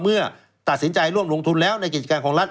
เมื่อตัดสินใจร่วมลงทุนแล้วในกิจการของรัฐ